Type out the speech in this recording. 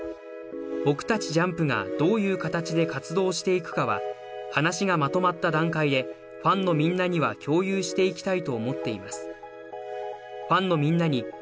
僕たちＪＵＭＰがどういう形で活動していくかは、話がまとまった段階で、ファンのみんなには共有していきたいと思っています。